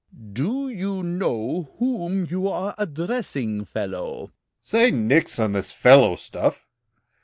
"Do you know whom you are addressing, fellow?" "Say, nix on this fellow stuff.